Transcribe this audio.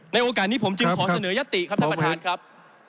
โอกาสนี้ผมจึงขอเสนอยติครับท่านประธานครับ